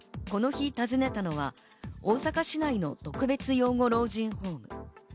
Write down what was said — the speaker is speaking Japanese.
この日訪ねたのは、大阪市内の特別養護老人ホーム。